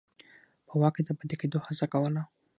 په واک کې د پاتې کېدو هڅه کوله.